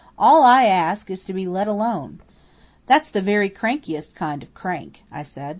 "All I ask is to be let alone." "That's the very crankiest kind of crank," I said.